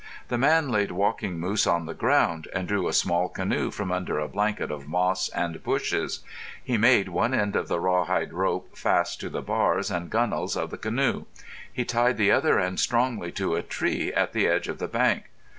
The man laid Walking Moose on the ground and drew a small canoe from under a blanket of moss and bushes. He made one end of the raw hide rope fast to the bars and gunnels of the canoe. He tied the other end strongly to a tree at the edge of the bank.